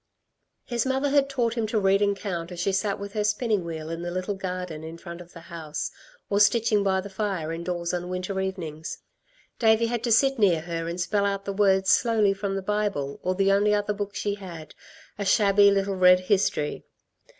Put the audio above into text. His mother had taught him to read and count as she sat with her spinning wheel in the little garden in front of the house, or stitching by the fire indoors on winter evenings. Davey had to sit near her and spell out the words slowly from the Bible or the only other book she had, a shabby little red history.